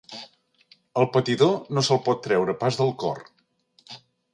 El patidor no se'l pot treure pas del cor.